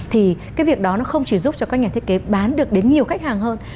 thì cái việc đó nó không chỉ giúp cho các nhà thiết kế bán được đến nhiều khách hàng hơn